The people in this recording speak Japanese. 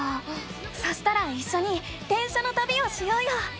そしたらいっしょに電車のたびをしようよ！